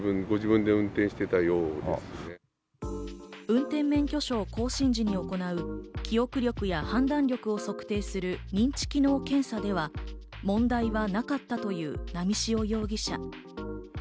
運転免許証更新時に行う、記憶力や判断力を測定する認知機能検査では問題はなかったという波汐容疑者。